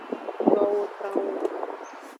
Towo tran wu.